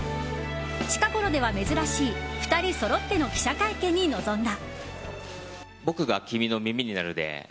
近ごろでは珍しい２人そろっての記者会見に臨んだ。